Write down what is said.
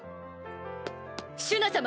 シュナ様！